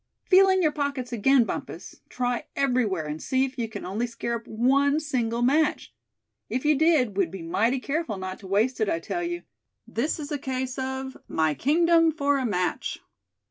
Feel in your pockets again, Bumpus; try everywhere, and see if you can only scare up one single match. If you did, we'd be mighty careful not to waste it, I tell you. This is a case of 'my kingdom for a match!'"